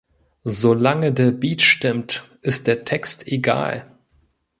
Solange der Beat stimmt, ist der Text egal.